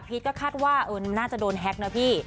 ก็คาดว่าน่าจะโดนแฮ็กนะพี่